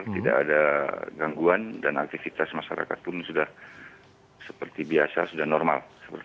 tidak ada gangguan dan aktivitas masyarakat pun sudah seperti biasa sudah normal